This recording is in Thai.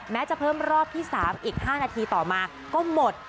จะเพิ่มรอบที่๓อีก๕นาทีต่อมาก็หมด